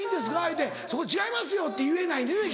言うて「そこ違いますよ」って言えないのよね